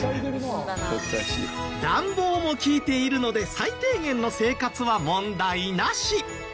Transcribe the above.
暖房も利いているので最低限の生活は問題なし！